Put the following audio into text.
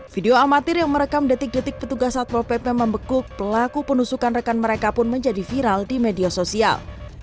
video amatir yang merekam detik detik petugas satpol pp membekuk pelaku penusukan rekan mereka pun menjadi viral di media sosial